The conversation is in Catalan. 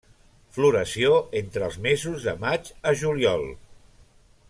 Floració entre els mesos de maig a juliol.